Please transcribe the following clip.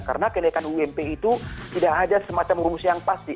karena kenaikan ump itu tidak ada semacam rumus yang pasti